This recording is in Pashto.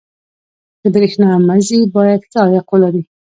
• د برېښنا مزي باید ښه عایق ولري.